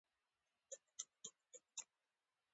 نو په زیاتېدونکي توګه د میلانوسایټ